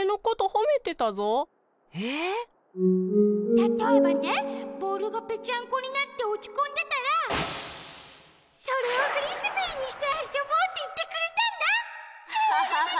たとえばねボールがぺちゃんこになっておちこんでたらそれをフリスビーにしてあそぼうっていってくれたんだ。